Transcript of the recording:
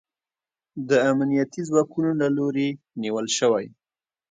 د امنیتي ځواکونو له لوري نیول شوی